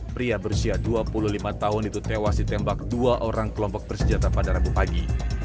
pria berusia dua puluh lima tahun itu tewas ditembak dua orang kelompok bersenjata pada rabu pagi